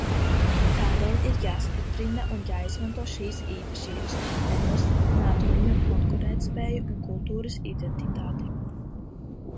Tādēļ ir jāstiprina un jāizmanto šīs īpašības, lai nostiprinātu viņu konkurētspēju un kultūras identitāti.